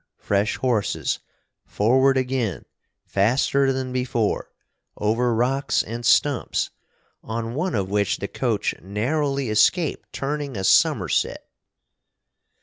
Fresh horses forward again, faster than before over rocks and stumps, on one of which the coach narrowly escaped turning a summerset.